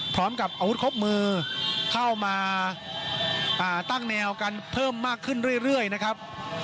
พร้อมกับอาวุธครบมือเข้ามาตั้งแนวกันเพิ่มมากขึ้นเรื่อยนะครับ